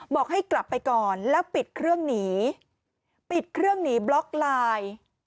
บอกให้กลับไปก่อนแล้วปิดเครื่องหนีปิดเครื่องหนีบล็อกไลน์